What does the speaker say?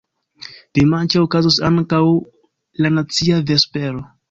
Dimanĉe okazos ankaŭ la nacia vespero.